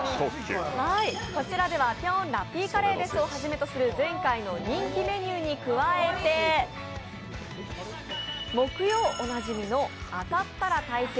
こちらでは「ぴょんラッピーカレーです！」をはじめとする前回の人気メニューに加えて木曜おなじみの「当たったら退席！